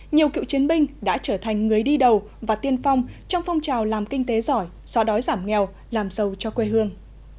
nhiều cựu chiến binh đã trở thành người đi đầu và tiên phong trong phong trào làm kinh tế giỏi so đói giảm nghèo làm sâu cho quê hương